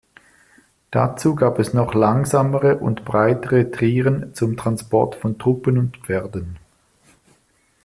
Dazu gab es noch langsamere und breitere Trieren zum Transport von Truppen und Pferden.